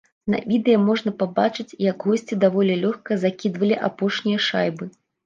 На відэа можна пабачыць, як госці даволі лёгка закідвалі апошнія шайбы.